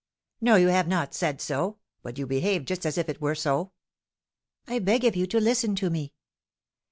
"No, you have not said so; but you behave just as if it were so." "I beg of you to listen to me."